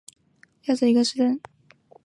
克弗灵是德国巴伐利亚州的一个市镇。